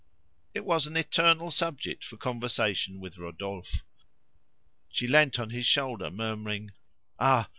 It was an eternal subject for conversation with Rodolphe. She leant on his shoulder murmuring "Ah!